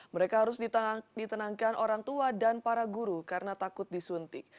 mereka harus ditenangkan orang tua dan para guru karena takut disuntik